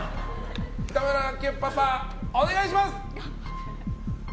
北村家パパ、お願いします！